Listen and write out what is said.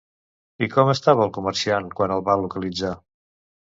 I com estava el comerciant quan el va localitzar?